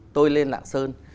tôi lên lạng sơn